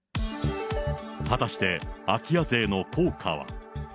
果たして空き家税の効果は。